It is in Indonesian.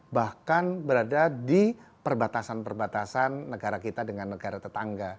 bahkan berada di perbatasan perbatasan negara kita dengan negara tetangga